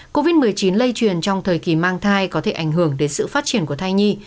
covid một mươi chín lây truyền trong thời kỳ mang thai có thể ảnh hưởng đến sự phát triển của thai nhi